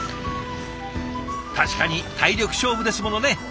確かに体力勝負ですものね。